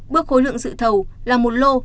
bước khối lượng dự thầu là một lô